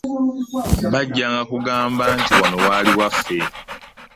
Bajjanga kugamba nti wano waali waffe.